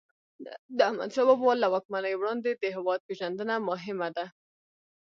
د احمدشاه بابا له واکمنۍ وړاندې د هیواد پېژندنه مهم ده.